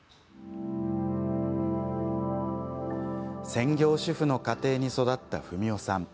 専業主婦の家庭に育った文夫さん。